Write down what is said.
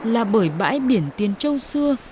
là bởi bãi biển tiền châu xưa